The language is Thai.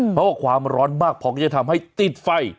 เพราะว่าความร้อนมากพอก็จะทำให้ติดไฟ